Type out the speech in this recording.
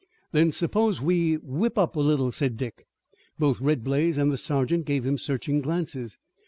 "Then suppose we whip up a little," said Dick. Both Red Blaze and the sergeant gave him searching glances.